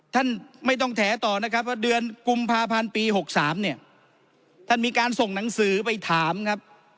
ท่านไม่ต้องแถต่อนะครับว่าเดือนกุมภาพันธ์ปี๖๓เนี่ยท่านมีการส่งหนังสือไปถามครับ